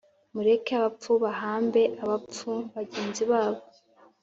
mureke abapfu bahambe abapfu bagenzi babo